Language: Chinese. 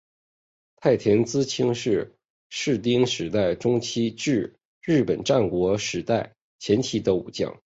太田资清是室町时代中期至日本战国时代前期的武将。